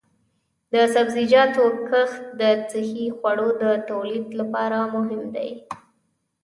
د سبزیجاتو کښت د صحي خوړو د تولید لپاره مهم دی.